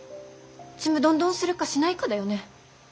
ちむどんどんするかしないかだよね？